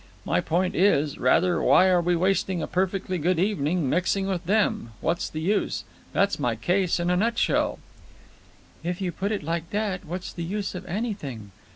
My point is, rather, why are we wasting a perfectly good evening mixing with them? What's the use? That's my case in a nut shell." "If you put it like that, what's the use of anything?